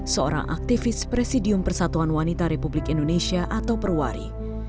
seorang aktivis presidium persatuan wanita republik indonesia atau perwari